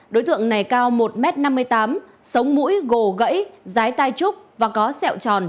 đối tượng này cao một m năm mươi tám sống mũi gồ gãy tay trúc và có sẹo tròn